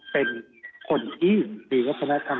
เป็นคนที่ดีวัฒนธรรมดีบนของวัฒนธรรม